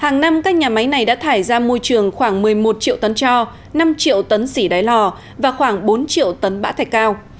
hàng năm các nhà máy này đã thải ra môi trường khoảng một mươi một triệu tấn cho năm triệu tấn xỉ đáy lò và khoảng bốn triệu tấn bã thạch cao